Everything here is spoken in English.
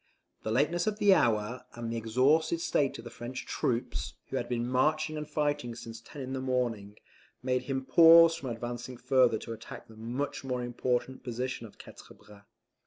The lateness of the hour, and the exhausted state of the French troops, who had been marching and fighting since ten in the morning, made him pause from advancing further to attack the much more important position of Quatre Bras.